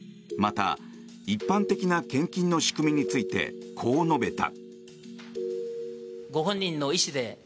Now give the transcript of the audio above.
また一般的な献金の仕組みについてこう述べた。